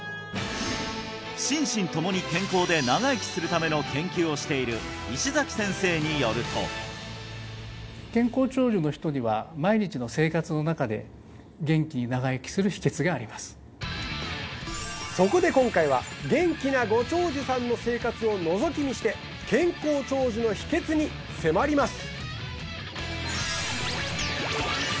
心身共に健康で長生きするための研究をしている石崎先生によるとそこで今回は元気なご長寿さんの生活をのぞき見して健康長寿の秘訣に迫ります！